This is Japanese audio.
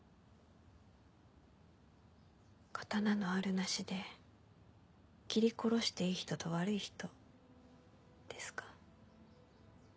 刀のあるなしで斬り殺していい人と悪い人ですか。